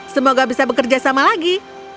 semoga bisa bekerja sama lagi